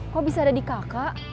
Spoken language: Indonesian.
kok bisa ada di kakak